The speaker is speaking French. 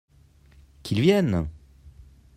Qu'il vienne !